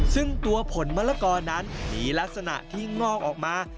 ซึ่งตัวผลมะละกอนั้นมีลักษณะที่งอกออกมา